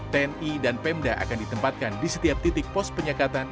tni dan pemda akan ditempatkan di setiap titik pos penyekatan